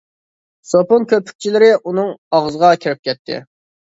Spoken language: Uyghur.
سوپۇن كۆپۈكچىلىرى ئۇنىڭ ئاغزىغا كىرىپ كەتتى.